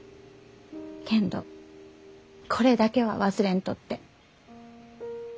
けんどこれだけは忘れんとって。